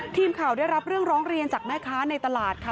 ทีมข่าวได้รับเรื่องร้องเรียนจากแม่ค้าในตลาดค่ะ